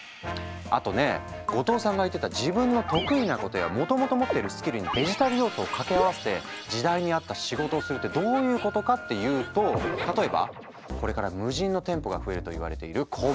あとね後藤さんが言ってた自分の得意なことやもともと持ってるスキルにデジタル要素を掛け合わせて時代に合った仕事をするってどういうことかっていうと例えばこれから無人の店舗が増えるといわれているコンビニ。